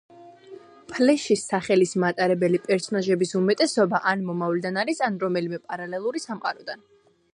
ფლეშის სახელის მატარებელი პერსონაჟების უმეტესობა ან მომავლიდან არის ან რომელიმე პარალელური სამყაროდან.